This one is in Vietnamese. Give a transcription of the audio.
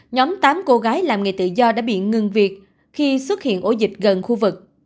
nhóm tám cô gái làm nghề tự do đã bị ngừng việc khi xuất hiện ổ dịch gần khu vực